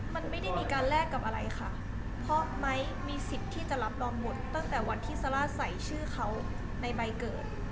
มันไม่ได้มีการแลกกับอะไรค่ะเพราะไม้มีสิทธิ์ที่จะรับรองหมดตั้งแต่วันที่ซาร่าใส่ชื่อเขาในใบเกิด